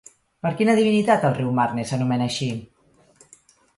Per quina divinitat el riu Marne s'anomena així?